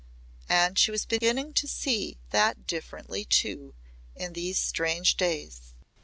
And she was beginning to see that differently too, in these strange days.